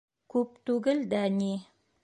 — Күп түгел дә ни...